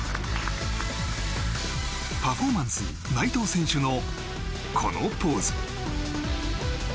パフォーマンス内藤選手のこのポーズ。